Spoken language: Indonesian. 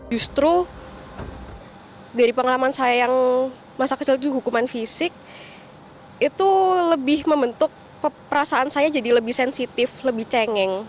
justru dari pengalaman saya yang masa kecil itu hukuman fisik itu lebih membentuk perasaan saya jadi lebih sensitif lebih cengeng